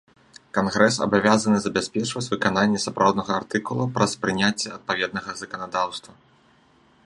Кангрэс абавязаны забяспечваць выкананне сапраўднага артыкула праз прыняцце адпаведнага заканадаўства.